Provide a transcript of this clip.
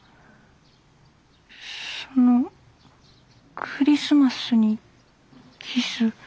そのクリスマスにキス。